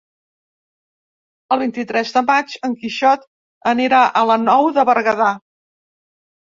El vint-i-tres de maig en Quixot anirà a la Nou de Berguedà.